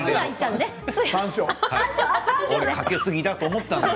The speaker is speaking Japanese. かけすぎだと思ったのよ。